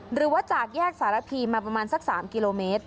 หรือว่าจากแยกสารพีมาประมาณสัก๓กิโลเมตร